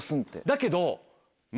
だけど。